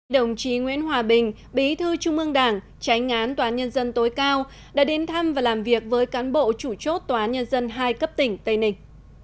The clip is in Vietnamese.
đồng chí nguyễn hòa bình bí thư trung ương đảng tránh ngán tòa nhân dân tối cao đã đến thăm và làm việc với cán bộ chủ chốt tòa án nhân dân hai cấp tỉnh tây ninh